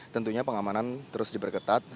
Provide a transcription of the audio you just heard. tentunya pengamanan terus diberketat